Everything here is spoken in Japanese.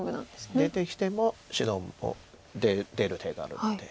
出てきても白も出る手があるので。